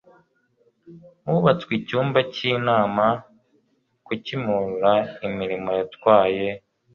hubatswe icyumba cy inama ku kimihurura imirimo yatwaye